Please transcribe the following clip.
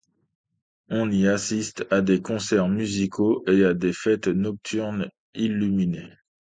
On y assiste à des concerts musicaux et à des fêtes nocturnes illuminées.